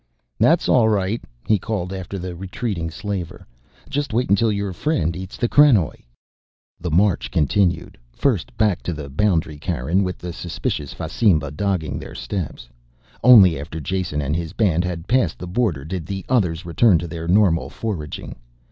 "That's all right," he called after the retreating slaver, "just wait until your friend eats the krenoj." The march continued, first back to the boundary cairn with the suspicious Fasimba dogging their steps. Only after Jason and his band had passed the border did the others return to their normal foraging.